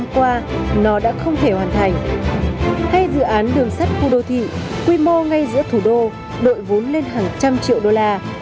các đường sắt khu đô thị quy mô ngay giữa thủ đô đội vốn lên hàng trăm triệu đô la